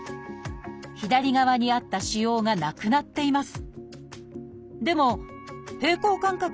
左側にあった腫瘍がなくなっています。